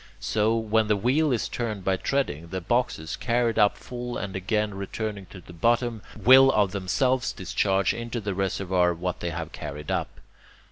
So, when the wheel is turned by treading, the boxes, carried up full and again returning to the bottom, will of themselves discharge into the reservoir what they have carried up.